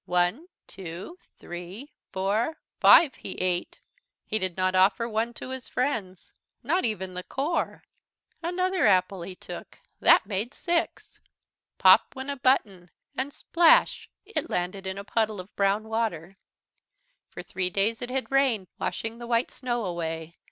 One, two, three, four, five, he ate. He did not offer one to his friends, not even the core! Another apple he took. That made six! Pop went a button and splash it landed in a puddle of brown water. For three days it had rained, washing the white snow away.